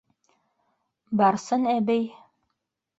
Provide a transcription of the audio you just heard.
Барсын әбей: